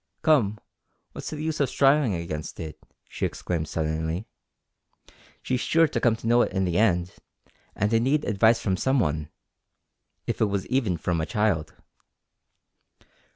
"Come what's the use o' strivin' against it?" she exclaimed suddenly. "She's sure to come to know it in the end, and I need advice from some one if it was even from a child."